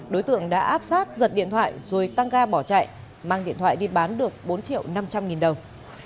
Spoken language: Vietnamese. đối tượng đã áp sát giật điện thoại rồi tăng ga bỏ chạy mang điện thoại đi bán được bốn triệu năm trăm linh nghìn đồng